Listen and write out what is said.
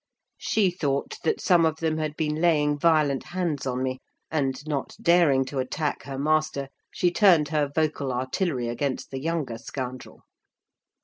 She thought that some of them had been laying violent hands on me; and, not daring to attack her master, she turned her vocal artillery against the younger scoundrel.